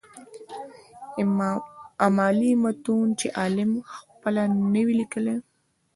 امالي متون چي عالم خپله نه وي ليکلي.